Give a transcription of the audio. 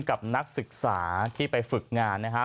กับนักศึกษาที่ไปฝึกงานนะฮะ